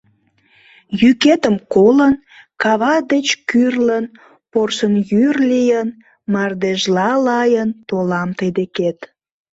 Йӱкетым колын, кава деч кӱрлын, порсын йӱр лийын, мардежла лайын толам тый декет.